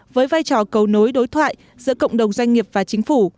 với vai trò cầu nối đối thoại giữa cộng đồng doanh nghiệp và chính phủ